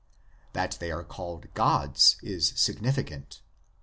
" That they are called " gods " is significant.